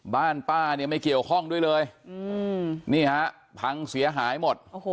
บ้านป้าเนี่ยไม่เกี่ยวข้องด้วยเลยนี่ฮะพังเสียหายหมด